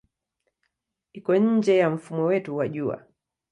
Iko nje ya mfumo wetu wa Jua.